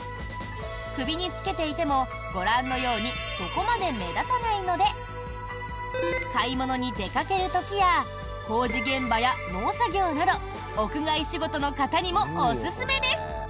首につけていても、ご覧のようにそこまで目立たないので買い物に出かける時や工事現場や農作業など屋外仕事の方にもおすすめです。